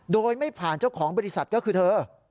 โดยไม่ผ่านเจ้าของบริษัทก็คือเธอ